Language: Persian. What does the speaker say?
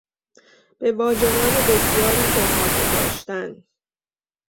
به واژگان بسیاری احاطه داشتن